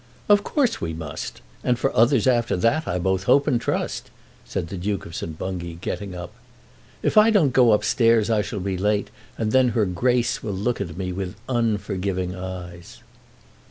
"Of course we must, and for others after that, I both hope and trust," said the Duke of St. Bungay, getting up. "If I don't go up stairs I shall be late, and then her Grace will look at me with unforgiving eyes."